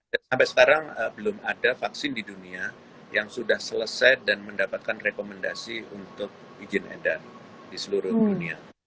dan sampai sekarang belum ada vaksin di dunia yang sudah selesai dan mendapatkan rekomendasi untuk izin edar di seluruh dunia